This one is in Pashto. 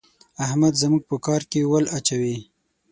احمد زموږ په کار کې ول اچوي.